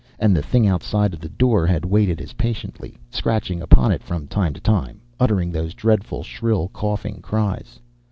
And the thing outside the door had waited as patiently, scratching upon it from time to time, uttering those dreadful, shrill coughing cries.